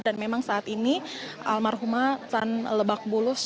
dan memang saat ini almarhumah tan lebak bulus